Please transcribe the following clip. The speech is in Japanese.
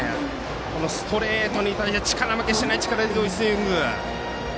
ストレートに対して力負けしない力強いスイング。